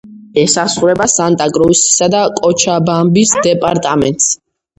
ესაზღვრება სანტა-კრუსისა და კოჩაბამბის დეპარტამენტებს.